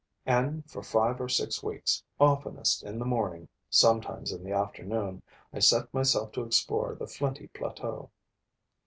And, for five or six weeks, oftenest in the morning, sometimes in the afternoon, I set myself to explore the flinty plateau.